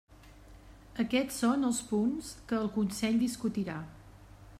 Aquests són els punts que el Consell discutirà.